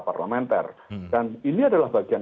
parlementer dan ini adalah bagian